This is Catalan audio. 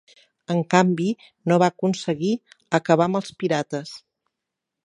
En canvi no va aconseguir acabar amb els pirates.